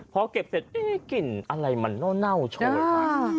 พอเก็บเสร็จกลิ่นอะไรมันเน่าโชยไป